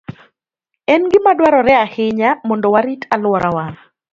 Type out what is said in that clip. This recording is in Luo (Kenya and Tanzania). En gima dwarore ahinya mondo warit alworawa.